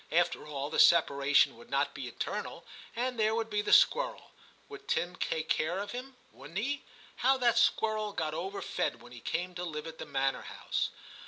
After all, the separation would not be eternal, and there would be the squirrel. Would Tim take care of him ? wouldn't he ? How that squirrel got over fed when he came to live at the manor house